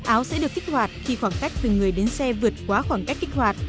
áo sẽ được kích hoạt khi khoảng cách từ người đến xe vượt quá khoảng cách kích hoạt